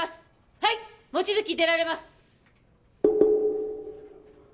はい望月出られます